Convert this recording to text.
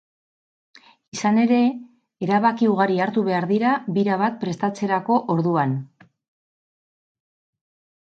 Izan ere, erabakiugari hartu behar dira bira bat prestatzerako orduan.